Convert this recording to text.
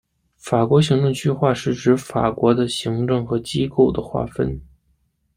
法国行政区划是指法国的行政和机构的划分。